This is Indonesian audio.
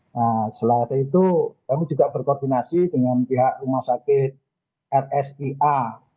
nah setelah itu kami juga berkoordinasi dengan pihak rumah sakit rsia